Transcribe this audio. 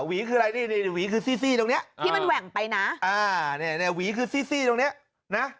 หวีคืออะไรนี่หวีคือซี่ตรงนี้อ่านี่หวีคือซี่ตรงนี้นะ